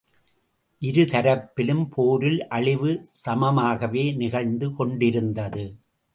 இருதரப்பிலும் போரில் அழிவு சமமாகவே நிகழ்ந்து கொண்டிருந்தது.